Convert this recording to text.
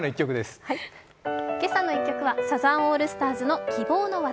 「けさの１曲」はサザンオールスターズの「希望の轍」。